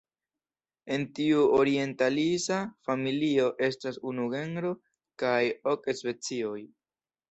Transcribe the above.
En tiu orientalisa familio estas unu genro kaj ok specioj.